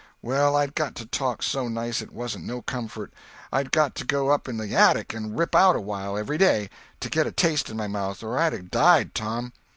Well, I'd got to talk so nice it wasn't no comfort—I'd got to go up in the attic and rip out awhile, every day, to git a taste in my mouth, or I'd a died, Tom.